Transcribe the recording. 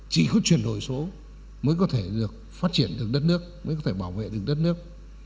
chỉ có chuyển đổi số mới có thể được phát triển được đất nước mới có thể bảo vệ được đất nước